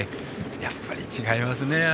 やっぱり違いますね。